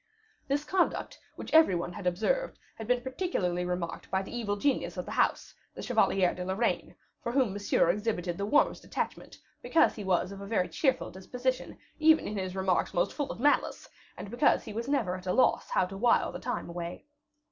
This conduct, which every one had observed, had been particularly remarked by the evil genius of the house, the Chevalier de Lorraine, for whom Monsieur exhibited the warmest attachment because he was of a very cheerful disposition, even in his remarks most full of malice, and because he was never at a loss how to wile the time away.